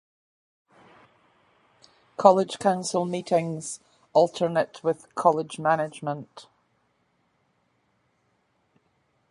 "College Council" meetings alternate with "College Management".